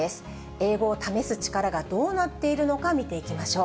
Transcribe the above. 英語を試す力がどうなっているのか見ていきましょう。